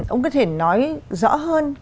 ông có thể nói rõ hơn